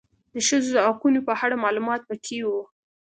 د ښځو د حقونو په اړه معلومات پکي و